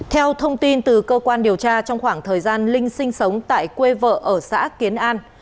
theo thông tin từ cơ quan điều tra trong khoảng thời gian linh sinh sống tại quê vợ ở xã kiến an